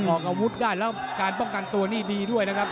ออกอาวุธได้แล้วการป้องกันตัวนี่ดีด้วยนะครับ